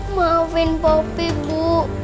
maafin papi bu